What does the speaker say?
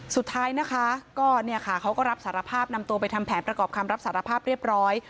สุดท้ายนะคะก็เนี่ยค่ะเขาก็รับสารภาพนำตัวไปทำแผนประกอบคำรับสารภาพเรียบร้อย